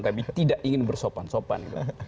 tapi tidak ingin bersopan sopan